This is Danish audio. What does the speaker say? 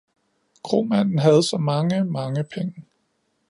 Kromanden havde så mange, mange penge.